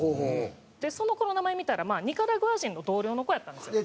でその子の名前見たらニカラグア人の同僚の子やったんですよ。